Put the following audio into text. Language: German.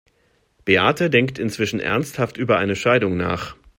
Beate denkt inzwischen ernsthaft über eine Scheidung nach.